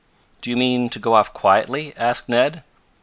"Do you mean to go off quietly?" asked Ned.